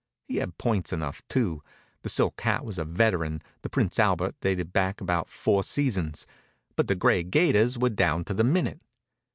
He had points enough, too. The silk hat was a veteran, the Prince Albert dated back about four seasons, but the gray gaiters were down to the minute.